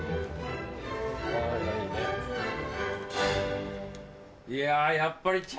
いやぁやっぱり。